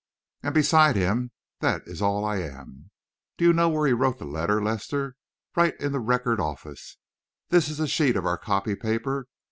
And, beside him, that is all I am. Do you know where he wrote that letter, Lester? Right in the Record office. That is a sheet of our copy paper.